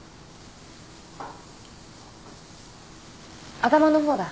頭の方だ。